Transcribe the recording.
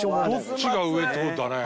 どっちが上？って事だね。